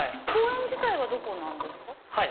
公園自体はどこなんですか？